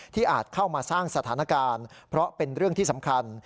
อาจเข้ามาสร้างสถานการณ์เพราะเป็นเรื่องที่สำคัญ